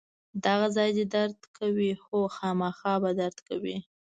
دغه ځای دې درد کوي؟ هو، خامخا به درد کوي.